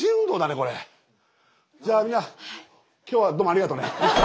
じゃあみんな今日はどうもありがとうね。